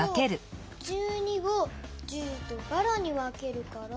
えっと１２を１０とばらにわけるから。